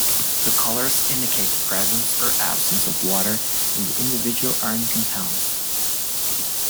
The colors indicate the presence or absence of water in the individual iron compounds.